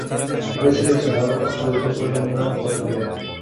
Fue seleccionado sueco solo en una oportunidad.